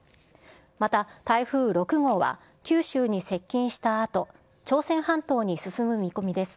また、台風６号は、九州に接近したあと、朝鮮半島に進む見込みです。